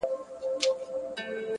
زما خو زړه دی زما ځان دی څه پردی نه دی!